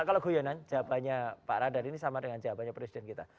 kalau guyonan jawabannya pak radar ini sama dengan jawabannya presiden kita